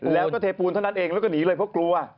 แล้วก็เทปูนเท่านั้นเองแล้วก็หนีเลยเพราะกลัว